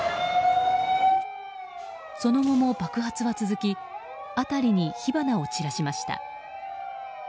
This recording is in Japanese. その後も爆発が続き辺りに火花を散らしました。